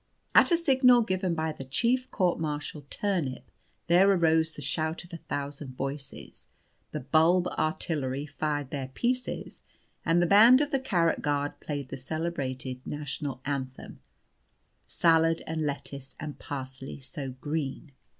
At a signal given by Chief Court Marshal Turnip there arose the shout of a thousand voices, the Bulb Artillery fired their pieces, and the band of the Carrot Guard played the celebrated National Anthem "Salad and lettuce, and parsley so green."